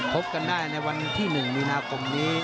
พบกันได้ในวันที่๑มีนาคมนี้